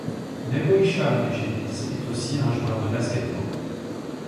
Nebojša Malešević est aussi un joueur de basket-ball.